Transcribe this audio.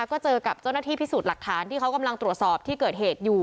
ก็เจอกับเจ้าหน้าที่พิสูจน์หลักฐานที่เขากำลังตรวจสอบที่เกิดเหตุอยู่